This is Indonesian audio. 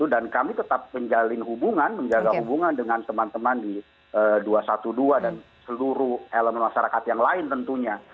dan kami tetap menjalin hubungan menjaga hubungan dengan teman teman di dua ratus dua belas dan seluruh elemen masyarakat yang lain tentunya